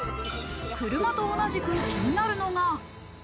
車と同じく気になるのが。